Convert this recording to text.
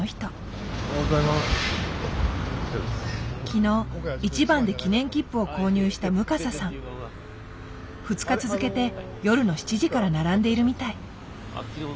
昨日１番で記念切符を購入した２日続けて夜の７時から並んでいるみたい。